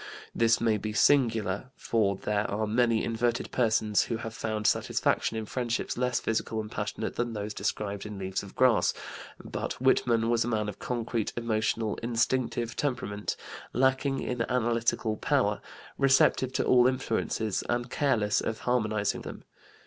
This may be singular, for there are many inverted persons who have found satisfaction in friendships less physical and passionate than those described in Leaves of Grass, but Whitman was a man of concrete, emotional, instinctive temperament, lacking in analytical power, receptive to all influences, and careless of harmonizing them.